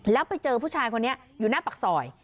แล้วไปเจอผู้ชายคนนี้อยู่หน้าปากซอย